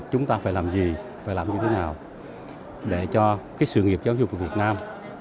chúng ta phải làm gì phải làm như thế nào để cho cái sự nghiệp giáo dục của việt nam